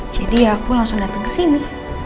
jadi aku langsung datang ke sini